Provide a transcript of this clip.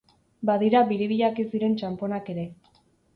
Badira biribilak ez diren txanponak ere.